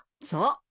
そう。